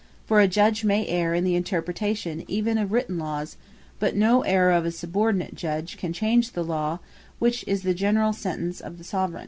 For a Judge may erre in the Interpretation even of written Lawes; but no errour of a subordinate Judge, can change the Law, which is the generall Sentence of the Soveraigne.